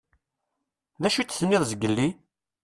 Dacu i d-tenniḍ zgelli?